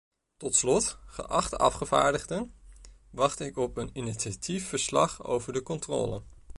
Tot slot, geachte afgevaardigden, wacht ik op uw initiatiefverslag over de controle.